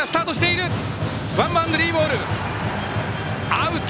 アウト！